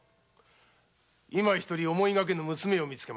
今一人思いがけぬ娘を見つけました。